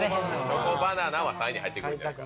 チョコバナナは３位に入ってくるんじゃないか。